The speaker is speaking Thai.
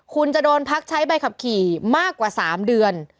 คุณจะโดนพักใช้ใบขับขี่มากกว่า๓เดือน